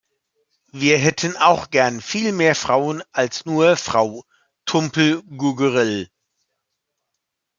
Wir hätten auch gern viel mehr Frauen als nur Frau Tumpel-Gugerell.